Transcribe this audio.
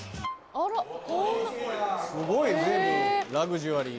すごい随分ラグジュアリーな。